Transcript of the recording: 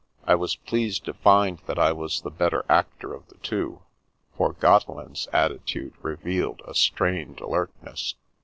I was pleased to find that I was the better actor of the two, for Gotte land's attitude revealed a strained alertness.